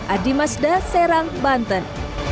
adi masda serang banten